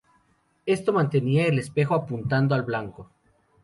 Esto mantenía el espejo apuntando al blanco.